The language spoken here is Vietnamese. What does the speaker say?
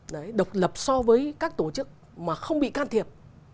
đấy độc lập so với các tổ chức mà không bị can thiệp